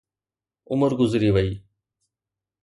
عمر گذري وئي.